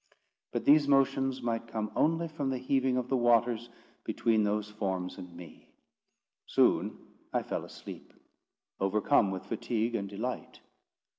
But these motions might come only from the heaving of the waters between those forms and me. Soon I fell asleep, overcome with fatigue and delight.